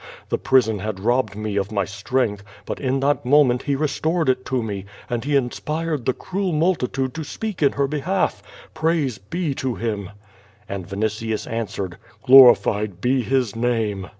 The prison had robbed me of my strength, but in that moment He restored it to me, and He inspired the cruel multitude to speak in her behalf. Praise be to Him." And Vinitius answered: "Glorified be His name!"